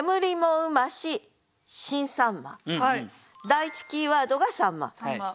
第１キーワードが「秋刀魚」